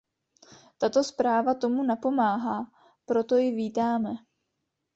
Tato zpráva tomu napomáhá, a proto ji vítáme.